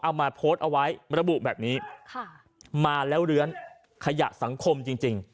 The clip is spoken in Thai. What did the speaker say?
เอามาโพสต์เอาไว้ระบุแบบนี้ค่ะมาแล้วเลื้อนขยะสังคมจริงจริง